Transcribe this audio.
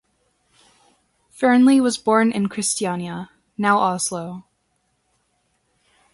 Fearnley was born in Kristiania (now Oslo).